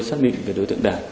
xác định về đối tượng đạt